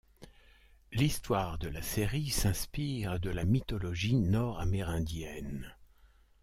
L'histoire de la série s'inspire de la mythologie nord-amérindienne.